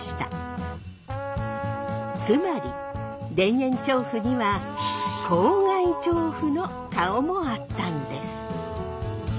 つまり田園調布にはの顔もあったんです。